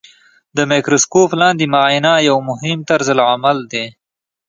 د مایکروسکوپ لاندې معاینه یو مهم طرزالعمل دی.